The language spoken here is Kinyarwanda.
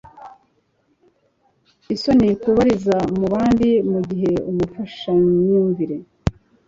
isoni kubariza mu bandi mu gihe umufashamyumvire